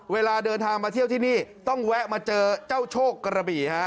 เวลาเดินทางมาเที่ยวที่นี่ต้องแวะมาเจอเจ้าโชคกระบี่ฮะ